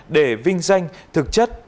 để vinh danh thực chất